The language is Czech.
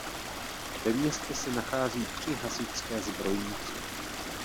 Ve městě se nachází tři hasičské zbrojnice.